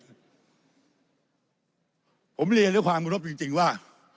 ผมเรียนด้วยความเคารพจริงว่า